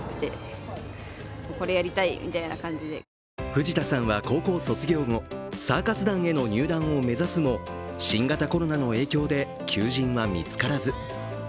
藤田さんは高校卒業後、サーカス団への入団を目指すも新型コロナの影響で求人は見つからず。